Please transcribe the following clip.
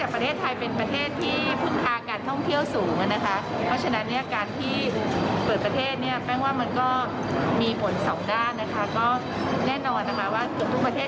เปิดประเทศก็อาจจะมีคนผิดเชื้อบ้าง